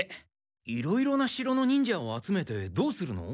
いろいろな城の忍者を集めてどうするの？